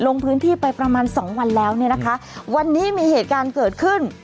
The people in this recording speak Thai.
ลงพื้นที่ไปประมาณ๒วันแล้ววันนี้มีเหตุการณ์เกิดขึ้น